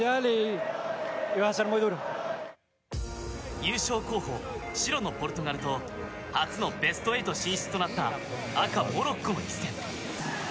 優勝候補、白のポルトガルと初のベスト８進出となった赤、モロッコの一戦。